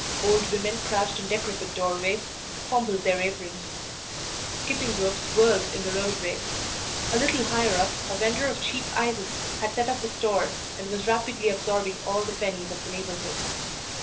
Old women crouched in decrepit doorways, fumbling their aprons; skipping ropes whirled in the roadway. A little higher up a vendor of cheap ices had set up his store and was rapidly absorbing all the pennies of the neighborhood.